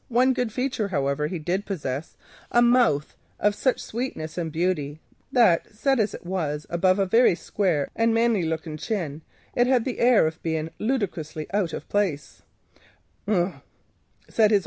One good feature, however, he did possess, a mouth of such sweetness and beauty that set, as it was, above a very square and manly looking chin, it had the air of being ludicrously out of place.